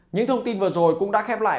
những thông tin vừa rồi cũng đã khép lại